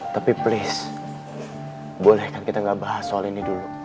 tapi please boleh kan kita gak bahas soal ini dulu